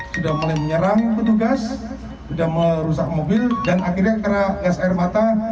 sudah mulai menyerang petugas sudah merusak mobil dan akhirnya kena gas air mata